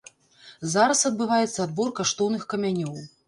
Зараз адбываецца адбор каштоўных камянёў.